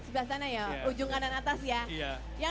sebelah sana ya ujung kanan atas ya